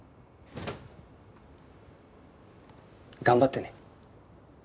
頑張ってね。